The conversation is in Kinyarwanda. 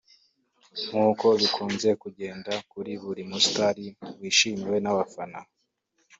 nk’uko bikunze kugenda kuri buri mustar wishimiwe n’abafana